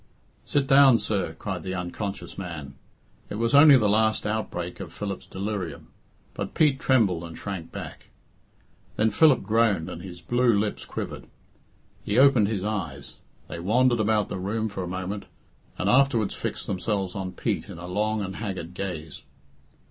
"Sit down, sir," cried the unconscious man. It was only the last outbreak of Philip's delirium, but Pete trembled and shrank back. Then Philip groaned and his blue lips quivered. He opened his eyes. They wandered about the room for a moment, and afterwards fixed themselves on Pete in a long and haggard gaze.